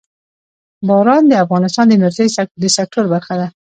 باران د افغانستان د انرژۍ د سکتور برخه ده.